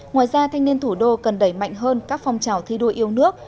ngoài ra thanh niên thủ đô cần đẩy mạnh hơn các phong trào thi đua yêu nước